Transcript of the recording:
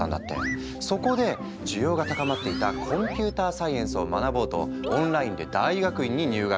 そこで需要が高まっていたコンピューターサイエンスを学ぼうとオンラインで大学院に入学。